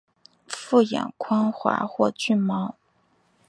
复眼光滑或具毛。